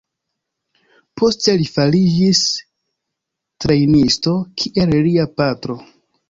Poste li fariĝis trejnisto kiel lia patro.